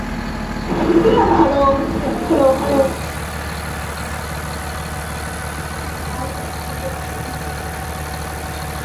The coins were discovered when workers were installing drainage pipes.